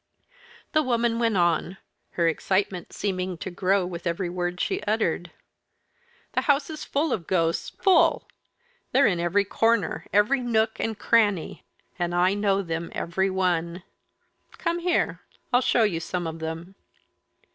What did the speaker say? The woman went on her excitement seeming to grow with every word she uttered. "The house is full of ghosts full! They're in every corner, every nook and cranny and I know them every one. Come here I'll show you some of them."